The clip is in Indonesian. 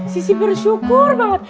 sisi bersyukur banget